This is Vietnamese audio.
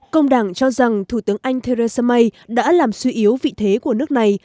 công đảng cho rằng thủ tướng anh theresa may đã làm suy yếu vị thế của nước này